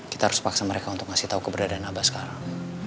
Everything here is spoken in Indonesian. kita harus paksa mereka untuk ngasih tahu keberadaan abah sekarang